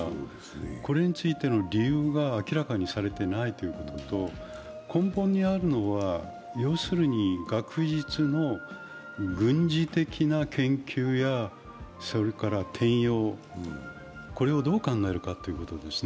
これについての理由が明らかにされていないということと根本にあるのは、要するに学術の軍事的な研究やそれから転用、これをどう考えるかということですね。